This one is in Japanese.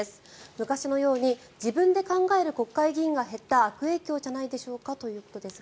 昔のように自分で考える国会議員が減った悪影響じゃないでしょうかということですが。